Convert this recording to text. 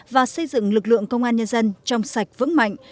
và xây dựng lực lượng công an nhân dân trong sạch vững mạnh